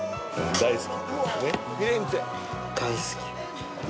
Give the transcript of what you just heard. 「大好き」